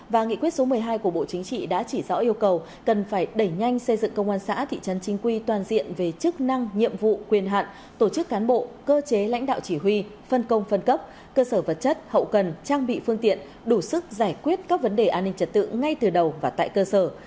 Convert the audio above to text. và nghị quyết số một mươi hai của bộ chính trị đã chỉ rõ yêu cầu cần phải đẩy nhanh xây dựng công an xã thị trấn chính quy toàn diện về chức năng nhiệm vụ quyền hạn tổ chức cán bộ cơ chế lãnh đạo chỉ huy phân công phân cấp cơ sở vật chất hậu cần trang bị phương tiện đủ sức giải quyết các vấn đề an ninh trật tự ngay từ đầu và tại cơ sở